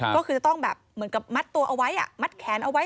ก็คือต้องแบบเหมือนกับมัดตัวเอาไว้มัดแขนเอาไว้